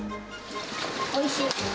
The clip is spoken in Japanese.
おいしい。